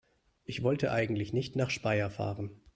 Ich wollte eigentlich nicht nach Speyer fahren